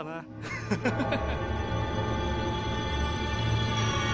ハハハハハ。